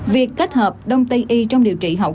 việc kết hợp đông tây y trong điều trị hậu covid một mươi chín